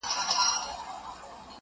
زما په مینه زوی له پلار څخه بیلیږي٫